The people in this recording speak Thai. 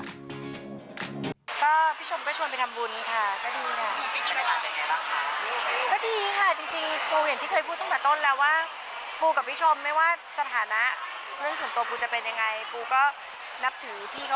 ก็พี่ชมก็ชวนไปทำบุญค่ะก็ดีค่ะ